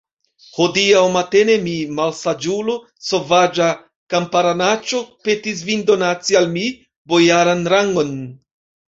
Hodiaŭ matene mi, malsaĝulo, sovaĝa kamparanaĉo, petis vin donaci al mi bojaran rangon.